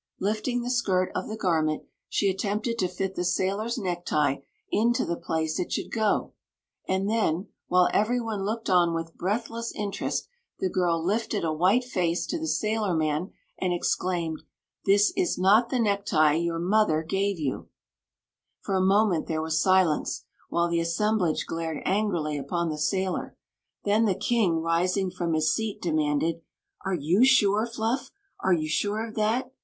Lifting the skirts the gm^il^||||b attempted to fit the sailors necMie into the f^a^H should go ; and then, while every one looked on with breathless interest, the girl lifted a white face to the sailorman and exclaimed: "This is not the necktie your motKir gave you !" Queen Zixi of Ix ; or, the " 'THIS IS NOT m* racKfi* vova mother gave vou!'" For a moment there was silence, while the assem blage glared angrily upon the sailor. Then the king, rising from his seat, demanded : "Are you sure, Fluff? Are you sure of that?"